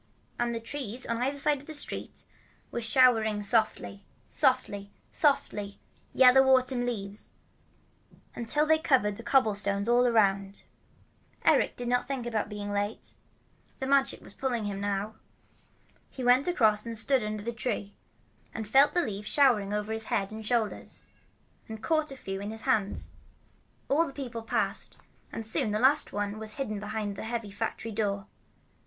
And a tree on the other side of the street was showering softly, softly, softly, yellow autumn leaves, until they covered the cobblestones all around. Eric did not think about being late. The Magic was pulling him now. He went across and stood under the tree, and felt the leaves showering on his head and shoulders, and caught a few in his hands. All the people passed, and soon the last one was hidden behind the heavy factory door.